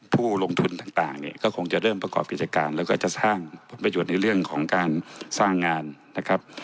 ผู้ลงทุนต่างเนี่ยก็คงจะเริ่มประกอบกิจการแล้วก็จะสร้างผลประโยชน์ในเรื่องของการสร้างงานนะครับ